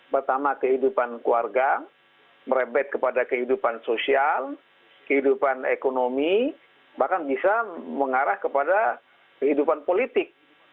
pertama kehidupan keluarga merebet kepada kehidupan sosial kehidupan ekonomi bahkan bisa mengarah kepada kehidupan politik